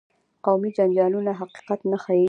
قومي جنجالونه حقیقت نه ښيي.